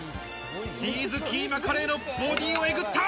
チーズキーマカレーのボディーをえぐった！